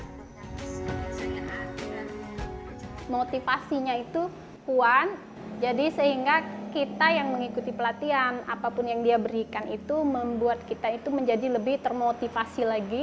motivasinya itu puan jadi sehingga kita yang mengikuti pelatihan apapun yang dia berikan itu membuat kita itu menjadi lebih termotivasi lagi